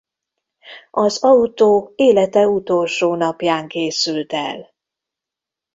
Az autó élete utolsó napján készült el.